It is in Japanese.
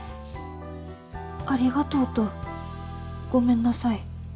「ありがとう」と「ごめんなさい」。